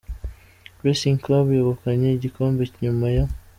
Racing Club yegukanye igikombe nyuma yo